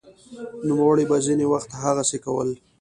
نوموړي به ځیني وخت هغسې کول